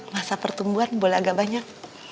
masa pertumbuhan boleh agak banyak